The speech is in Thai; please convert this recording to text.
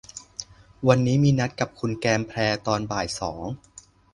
วันนี้มีนัดกับคุณแกมแพรตอนบ่ายสอง